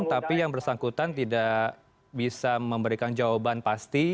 tapi yang bersangkutan tidak bisa memberikan jawaban pasti